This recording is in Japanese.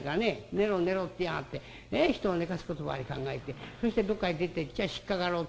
『寝ろ寝ろ』って言いやがって人を寝かすことばかり考えてそしてどっか出ていっちゃ引っ掛かろうってんだろう。